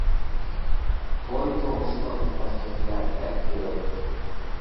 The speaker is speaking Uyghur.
توي توغرىسىدا بۇنداق گەپلەر بەك كۆپ.